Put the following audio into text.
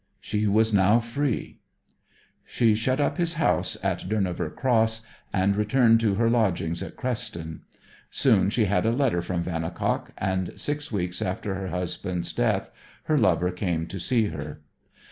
She was now free. She shut up his house at Durnover Cross and returned to her lodgings at Creston. Soon she had a letter from Vannicock, and six weeks after her husband's death her lover came to see her.